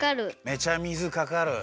めちゃ水かかる。